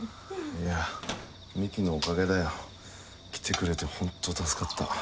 いや美紀のおかげだよ。来てくれてホント助かった。